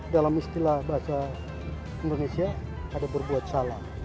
dalam istilah bahasa indonesia ada berbuat salah